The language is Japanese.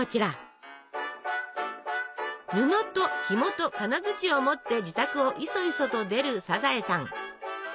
布とひもと金づちを持って自宅をいそいそと出るサザエさん。